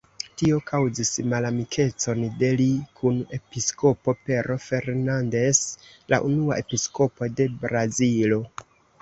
Tio kaŭzis malamikecon de li kun episkopo Pero Fernandes, la unua episkopo de Brazilo.